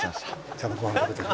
ちゃんとご飯食べてる？